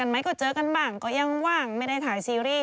ไหมก็เจอกันบ้างก็ยังว่างไม่ได้ถ่ายซีรีส์